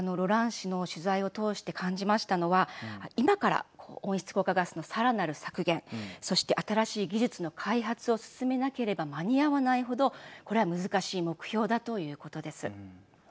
市の取材を通して感じましたのは今から温室効果ガスのさらなる削減そして新しい技術の開発を進めなければ間に合わない程これは難しい目標だということです。